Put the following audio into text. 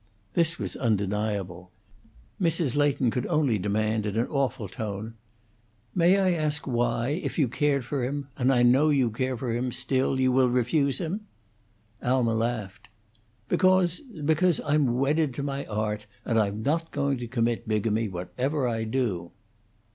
This was undeniable. Mrs. Leighton could only demand, in an awful tone, "May I ask why if you cared for him; and I know you care for him still you will refuse him?" Alma laughed. "Because because I'm wedded to my Art, and I'm not going to commit bigamy, whatever I do."